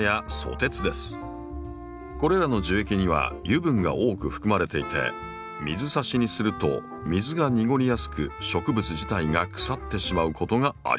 これらの樹液には油分が多く含まれていて水挿しにすると水が濁りやすく植物自体が腐ってしまうことがあります。